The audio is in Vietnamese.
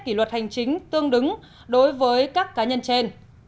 kỷ luật hành chính tương đối với các cá nhân trên